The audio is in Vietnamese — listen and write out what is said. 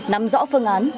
nắm rõ phương án